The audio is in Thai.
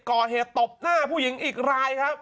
ก่อเหตุนะฮะผู้หญิงอีกรายครับ